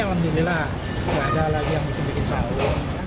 alhamdulillah nggak ada lagi yang bikin saung